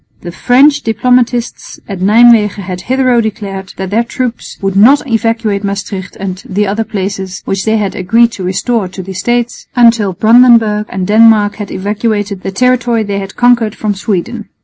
The French diplomatists at Nijmwegen had hitherto declared that their troops would not evacuate Maestricht and the other places which they had agreed to restore to the States, until Brandenburg and Denmark had evacuated the territory they had conquered from Sweden.